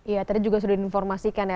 iya tadi juga sudah diinformasikan ya